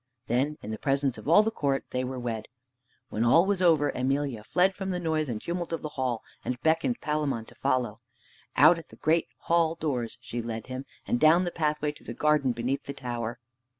Then, in the presence of all the court, they were wed. When all was over, Emelia fled from the noise and tumult of the hall, and beckoned to Palamon to follow. Out at the great hall doors she led him, and down the pathway to the garden beneath the tower.